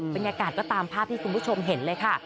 บรรยากาศก็ตามภาพที่คุณผู้ชมเห็นเลยค่ะ